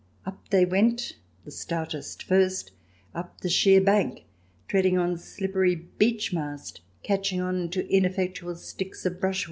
Up they went, the stoutest first, up the sheer bank, treading on slippery, beech mast, catching on to ineffectual sticks of brush 73 THE DESIRABLE ALIEN [ch.